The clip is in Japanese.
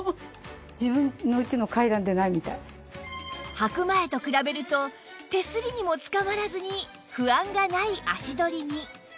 はく前と比べると手すりにもつかまらずに不安がない足取りに